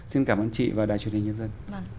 xin cảm ơn chị và đài truyền hình nhân dân